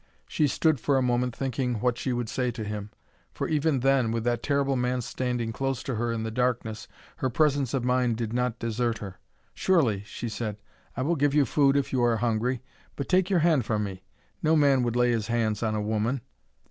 She stood for a moment thinking what she would say to him; for even then, with that terrible man standing close to her in the darkness, her presence of mind did not desert her. "Surely," she said, "I will give you food if you are hungry. But take your hand from me. No man would lay his hands on a woman."